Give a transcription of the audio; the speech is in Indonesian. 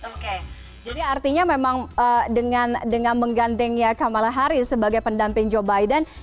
oke jadi artinya memang dengan menggandengnya kamala harris sebagai pendamping joe biden